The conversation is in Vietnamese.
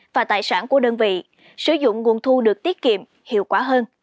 và tài sản của đơn vị sử dụng nguồn thu được tiết kiệm hiệu quả hơn